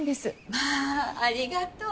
まぁありがとう。